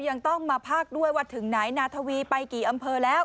ยังต้องมาภาคด้วยว่าถึงไหนนาทวีไปกี่อำเภอแล้ว